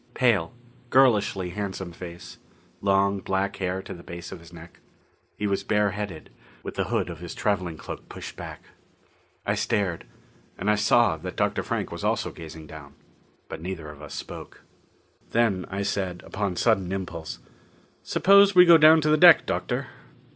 Pale, girlishly handsome face; long, black hair to the base of his neck. He was bare headed, with the hood of his traveling cloak pushed back. I stared, and I saw that Dr. Frank was also gazing down. But neither of us spoke. Then I said upon impulse, "Suppose we go down to the deck, Doctor?"